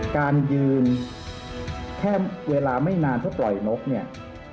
การยืนแค่เวลาไม่นานเพื่อปล่อยนกเนี่ย